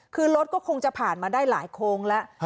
คือรถก็คงจะผ่านมาได้หลายโค้งแล้ว